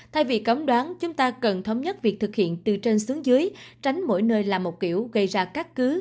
thay vì cấm đoán chúng ta cần thống nhất việc thực hiện từ trên xuống dưới tránh mỗi nơi làm một kiểu gây ra các cứ